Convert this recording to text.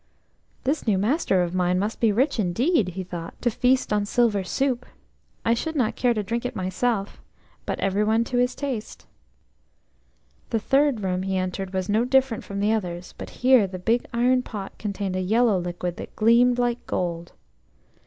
"This new master of mine must be rich indeed," he thought, "to feast on silver soup. I should not care to drink it myself, but every one to his taste." The third room he entered was no different from the others, but here the big iron pot contained a yellow liquid that gleamed like gold.